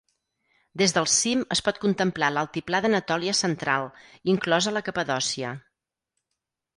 Des del cim es pot contemplar l'altiplà d'Anatòlia central, inclosa la Capadòcia.